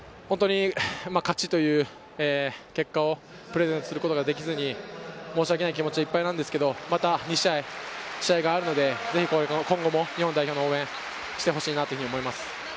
勝ちという結果をプレゼントすることができずに申し訳ない気持ちでいっぱいなんですけれど、まだ２試合あるので、今後も日本代表を応援してほしいと思います。